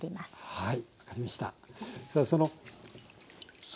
はい。